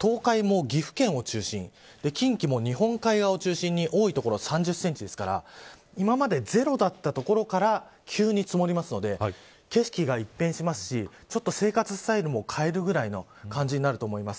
東海も岐阜県を中心近畿も日本海側を中心に多い所、３０センチですから今までゼロだったところから急に積もりますので景色が一変しますし生活スタイルも変えるぐらいの感じになると思います。